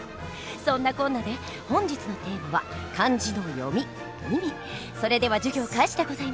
そんなこんなで本日のテーマはそれでは授業開始でございます。